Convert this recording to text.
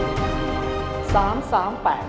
๓๓๐ครับนางสาวปริชาธิบุญยืน